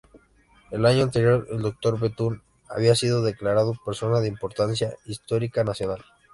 El año anterior el doctor Bethune había sido declarado "persona de importancia histórica nacional".